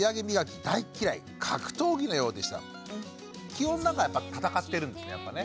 基本なんかやっぱ戦ってるんですねやっぱね。